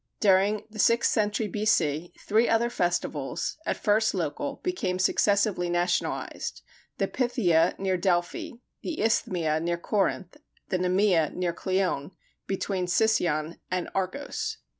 During the sixth century B.C., three other festivals, at first local, became successively nationalized the Pythia near Delphi, the Isthmia near Corinth, the Nemea near Cleone, between Sicyon and Argos.